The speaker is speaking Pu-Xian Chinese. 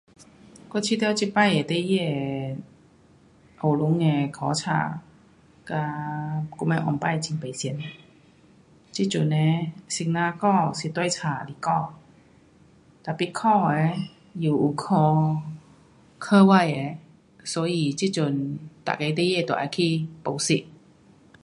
我觉得这次的孩儿的学堂的考书跟我们以前的很不同。这阵呢，先生教是跟书来教。tapi 考的又有考课外的，所以这阵每个孩儿得要去补习。